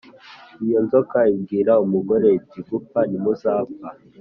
Iyo nzoka ibwira umugore iti gupfa ntimuzapfa